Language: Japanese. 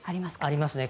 ありますね。